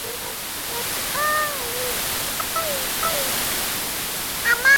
তারপর নামিয়ে গরম গরম পরিবেশন করুন মজাদার ভুড়ি ভুনা।